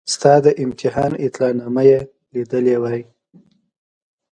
ستا د امتحان اطلاع نامه یې لیدلې وای.